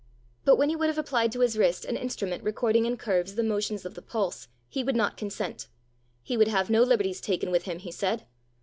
But when he would have applied to his wrist an instrument recording in curves the motions of the pulse, he would not consent. He would have no liberties taken with him, he said.